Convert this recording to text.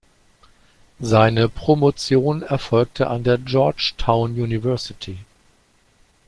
Seine Promotion erfolgte an der Georgetown University.